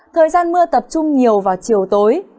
thời gian mưa tập trung nhiều vào chiều tối